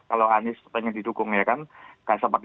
kalau anies pengen didukung ya kan